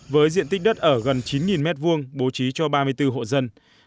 với diện tích đất ở gần chín m hai bố trí cho ba mươi bốn hộ dân